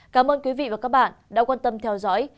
cảm ơn quý vị và các bạn đã quan tâm theo dõi